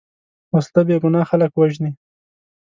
وسله بېګناه خلک وژني